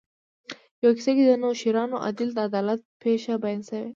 په کیسه کې د نوشیروان عادل د عدالت پېښه بیان شوې.